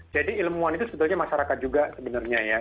jadi ilmuwan itu sebenarnya masyarakat juga sebenarnya ya